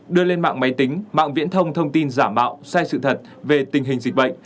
một mươi một đưa lên mạng máy tính mạng viễn thông thông tin giả mạo sai sự thật về tình hình dịch bệnh